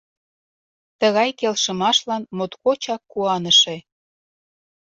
Тыгай келшымашлан моткочак куаныше.